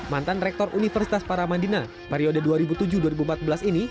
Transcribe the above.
mantan rektor universitas paramadina periode dua ribu tujuh dua ribu empat belas ini